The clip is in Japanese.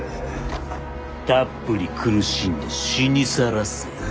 たっぷり苦しんで死にさらせ。